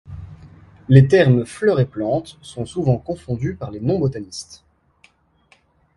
Les termes fleur et plante sont souvent confondus par les non-botanistes.